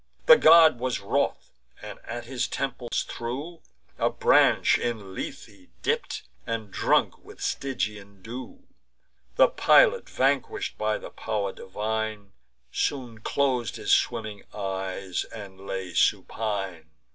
The god was wroth, and at his temples threw A branch in Lethe dipp'd, and drunk with Stygian dew: The pilot, vanquish'd by the pow'r divine, Soon clos'd his swimming eyes, and lay supine.